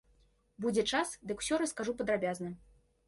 Будзе час, дык усё раскажу падрабязна.